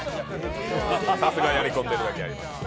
さすがやりこんでいるだけあります。